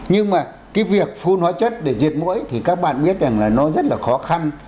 nhưng mà cái việc phun hóa chất để diệt mũi thì các bạn biết rằng là nó rất là khó khăn